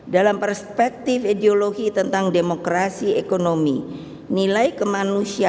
dalam perspektif ideologi tentang demokrasi ekonomi nilai kemanusiaan